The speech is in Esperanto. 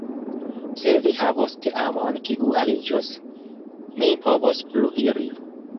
Se vi havos teamon kiu aliĝos, ni povos pluiri.